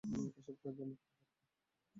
এসব কাজে আমি খুবই দক্ষ।